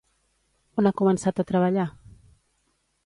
On ha començat a treballar?